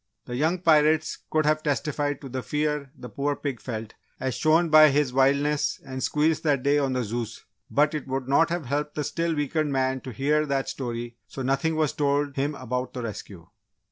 The young pirates could have testified to the fear the poor pig felt as shown by his wildness and squeals that day on the Zeus, but it would not have helped the still weakened man to hear that story so nothing was told him about the rescue.